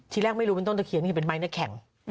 ที่แรกไม่รู้เป็นต้นตะเคียนเป็นไม้หน้าแข็ง